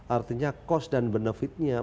artinya cost dan benefitnya